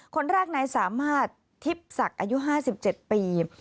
คนแรกนายสามารถทิพย์ศักดิ์อายุ๕๗ปี